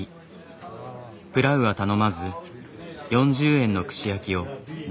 プラウは頼まず４０円の串焼きを７本だけ。